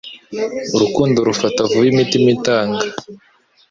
Urukundo rufata vuba imitima itanga